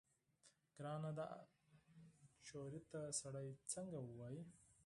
ګرانه دا الک ته سړی څنګه ووايي.